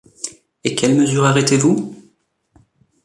Et quelles mesures arrêtez-vous?...